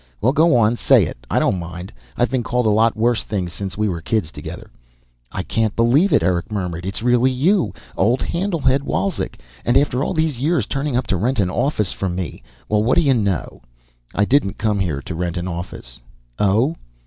Well, go on, say it. I don't mind. I've been called a lot worse things since we were kids together." "I can't believe it," Eric murmured. "It's really you! Old Handle head Wolzek! And after all these years, turning up to rent an office from me. Well, what do you know!" "I didn't come here to rent an office." "Oh?